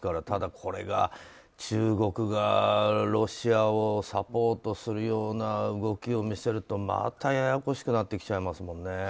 ただ、これが中国がロシアをサポートするような動きを見せるとまたややこしくなってきますね。